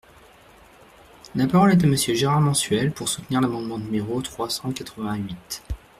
La parole est à Monsieur Gérard Menuel, pour soutenir l’amendement numéro trois cent quatre-vingt-huit.